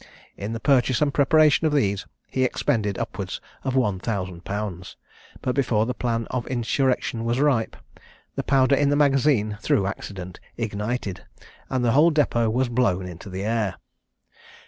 In the purchase and preparation of these he expended upwards of one thousand pounds; but before the plan of insurrection was ripe, the powder in the magazine, through accident, ignited, and the whole depôt was blown into the air.